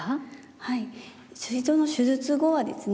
はいすい臓の手術後はですね